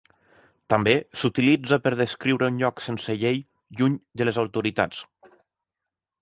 També s'utilitza per descriure un lloc sense llei lluny de les autoritats.